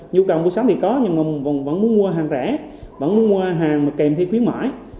nhu cầu mua sắm thì có nhưng vẫn muốn mua hàng rẻ vẫn muốn mua hàng kèm thêm khuyến mại